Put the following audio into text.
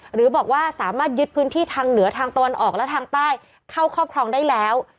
หรือบอกว่าสามารถยึดพื้นที่ทางเหนือทางตะวันออกและทางใต้เข้าครอบครองได้แล้ว